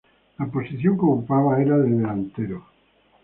La posición que ocupaba era de delantero.